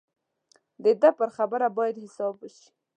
د ده پر خبره باید حساب وشي.